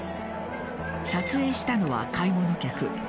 撮影したのは買い物客。